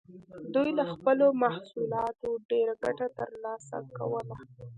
دوی له خپلو محصولاتو ډېره ګټه ترلاسه کوله.